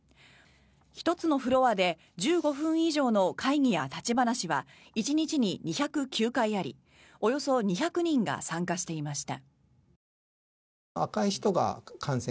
１つのフロアで１５分以上の会議や立ち話は１日に２０９回ありおよそ２００人が参加していました。